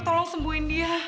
tolong sembuhin dia